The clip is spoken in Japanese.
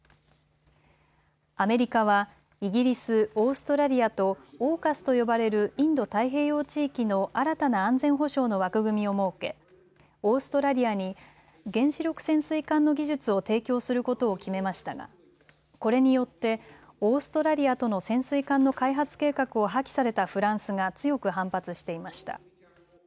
アメリカはイギリス、オーストラリアとＡＵＫＵＳと呼ばれるインド太平洋地域の新たな安全保障の枠組みを設けオーストラリアに原子力潜水艦の技術を提供することを決めましたがこれによってオーストラリアとの潜水艦の開発計画を破棄されたフランスが強く反発していました。